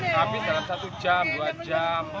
satu jam dua jam